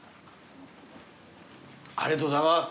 ありがとうございます